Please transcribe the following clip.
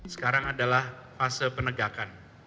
sekarang adalah fase penegakan